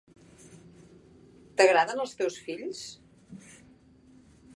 T'agraden els teus fills?